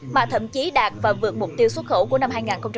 mà thậm chí đạt và vượt mục tiêu xuất khẩu của năm hai nghìn hai mươi